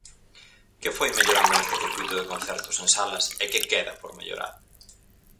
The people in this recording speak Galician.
Que foi mellorando neste circuíto de concertos en salas e que queda por mellorar?